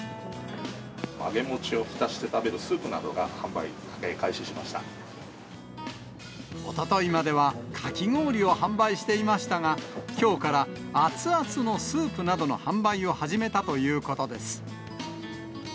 揚げもちを浸して食べるスーおとといまではかき氷を販売していましたが、きょうから熱々のスープなどの販売を始めたということです。